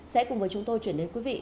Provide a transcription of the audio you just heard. sẽ cùng với chúng tôi chuyển đến quý vị